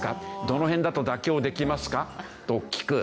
「どの辺だと妥協できますか？」と聞く。